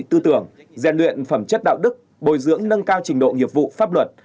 tư tưởng gian luyện phẩm chất đạo đức bồi dưỡng nâng cao trình độ nghiệp vụ pháp luật